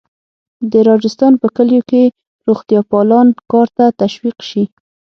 د راجستان په کلیو کې روغتیاپالان کار ته تشویق شي.